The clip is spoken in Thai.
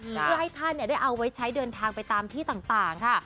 เพื่อให้ท่านได้เอาไว้ใช้เดินทางไปตามที่ต่างค่ะ